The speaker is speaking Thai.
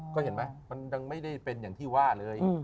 ก็เห็นไหมมันยังไม่ได้เป็นอย่างที่ว่าเลย